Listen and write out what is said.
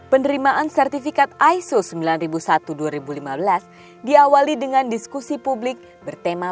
penerimaan sertifikat iso sembilan ribu satu dua ribu lima belas diawali dengan diskusi publik bertema